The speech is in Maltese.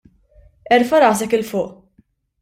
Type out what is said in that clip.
Erfa' rasek 'il fuq.